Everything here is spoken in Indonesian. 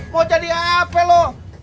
mau jadi apa lu